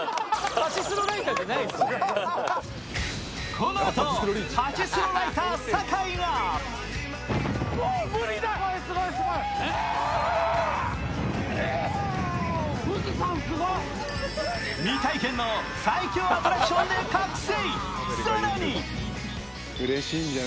このあとパチスロライダー・酒井が未体験の最狂アトラクションで覚醒！